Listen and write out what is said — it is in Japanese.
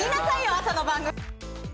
朝の番組。